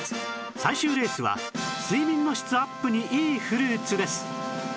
最終レースは睡眠の質アップにいいフルーツです